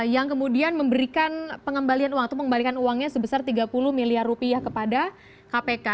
yang kemudian memberikan pengembalian uang atau pengembalikan uangnya sebesar tiga puluh miliar rupiah kepada kpk